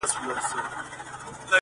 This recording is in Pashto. پر هر ځای به لکه ستوري ځلېدله٫